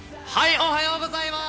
おはようございます。